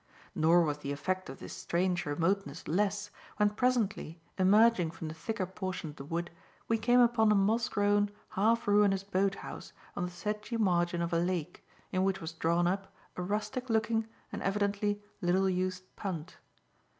Nor was the effect of this strange remoteness less, when presently, emerging from the thicker portion of the wood, we came upon a moss grown, half ruinous boat house on the sedgy margin of a lake, in which was drawn up a rustic looking, and evidently, little used punt.